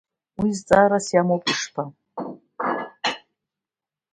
Уи зҵаарас иамоуп ишԥа?